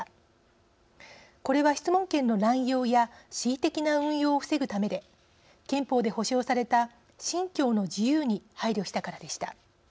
これは質問権の乱用や恣意的な運用を防ぐためで憲法で保障された信教の自由に配慮したからでした。